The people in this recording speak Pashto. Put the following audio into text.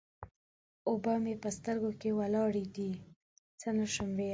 اوبه مې په سترګو کې ولاړې دې؛ څه نه شم ويلای.